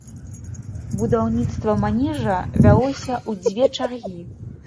Будаўніцтва манежа вялося ў дзве чаргі.